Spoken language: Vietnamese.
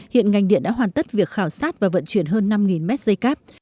hiện ngành điện đã hoàn tất việc khảo sát và vận chuyển hơn năm mét dây cáp